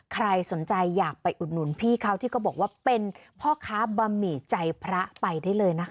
ใครสนใจอยากไปอุดหนุนพี่เขาที่เขาบอกว่าเป็นพ่อค้าบะหมี่ใจพระไปได้เลยนะคะ